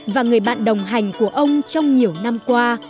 và người bạn đồng hành của ông trong nhiều năm qua